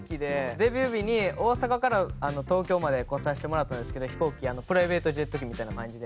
デビュー日に大阪から東京まで来させてもらったんですけど飛行機プライベートジェット機みたいな感じで。